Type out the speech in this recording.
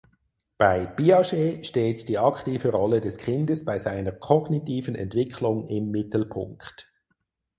Bei Piaget steht die aktive Rolle des Kindes bei seiner kognitiven Entwicklung im Mittelpunkt.